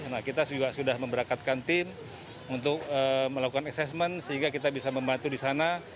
nah kita juga sudah memberangkatkan tim untuk melakukan assessment sehingga kita bisa membantu di sana